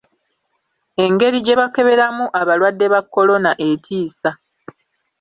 Engeri gye bakeberamu abalwadde ba kolona etiisa!